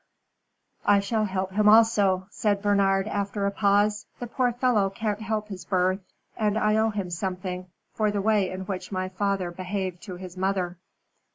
"I shall help him also," said Bernard, after a pause. "The poor fellow can't help his birth, and I owe him something for the way in which my father behaved to his mother."